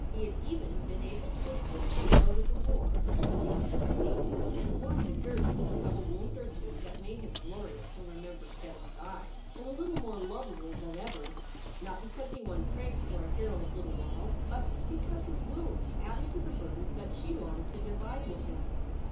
He had even been able to afford to go to the war, had seen France and won the guerdon of a wound or two that made him glorious in Remember Steddon s eyes and a little more lovable than ever, not because he won praise for a hero s little while, but because his wounds added to the burdens that she longed to divide with him.